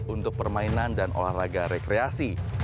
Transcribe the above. untuk permainan dan olahraga rekreasi